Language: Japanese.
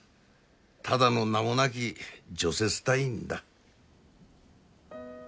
ただの名もなき除雪隊員だ。